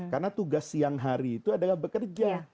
karena tugas siang hari itu adalah bekerja